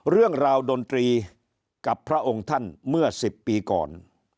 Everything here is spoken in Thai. เรื่องราวดนตรีกับพระองค์ท่านเมื่อ๑๐ปีก่อน